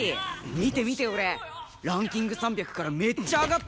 見て見て俺ランキング３００からめっちゃ上がってんだけど！